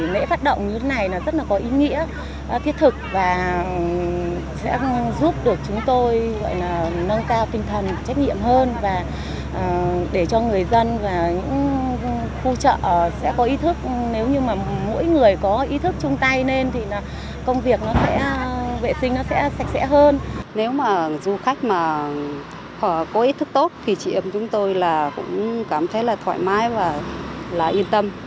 nếu mà du khách mà có ý thức tốt thì chị em chúng tôi là cũng cảm thấy là thoải mái và là yên tâm